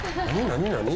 何？